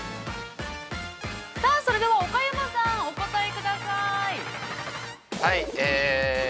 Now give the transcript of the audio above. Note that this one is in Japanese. ◆さあ、それでは岡山さん、お答えください。